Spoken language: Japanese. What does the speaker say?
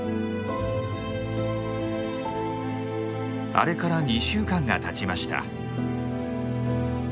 あれから２週間がたちました。